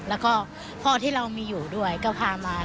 แล้วก็พ่อที่เรามีอยู่ด้วยก็พามา